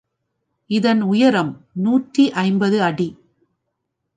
இதன் உயரம் நூற்றி ஐம்பது அடி.